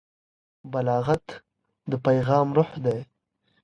بلاغت د پیغام روح دی.